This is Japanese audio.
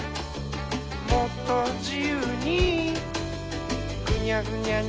「もっとじゆうにぐにゃぐにゃに！」